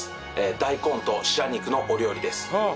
大根と白肉のお料理です。